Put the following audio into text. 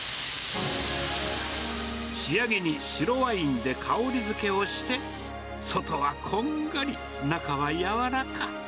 仕上げに白ワインで香り付けをして、外はこんがり、中は柔らか。